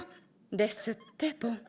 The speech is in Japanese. ですってボン。